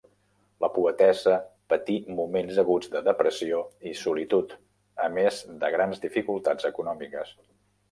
La poetessa patí moments aguts de depressió i solitud a més de grans dificultats econòmiques.